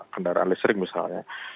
kendaraan listrik misalnya